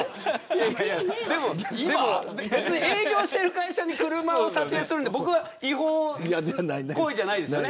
営業している会社に車を査定するのは違法行為じゃないですよね。